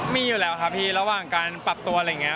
มีอยู่แล้วครับพี่ระหว่างการปรับตัวอะไรอย่างนี้